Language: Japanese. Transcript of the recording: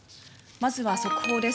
まずは速報です。